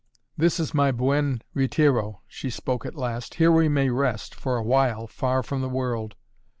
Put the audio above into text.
"This is my Buen Retiro," she spoke at last. "Here we may rest for awhile far from the world."